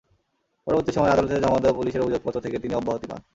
পরবর্তী সময়ে আদালতে জমা দেওয়া পুলিশের অভিযোগপত্র থেকে তিনি অব্যাহতি পান।